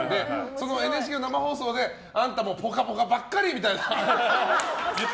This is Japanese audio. そのＮＨＫの生放送であんたも「ぽかぽか」ばっかりみたいな言って。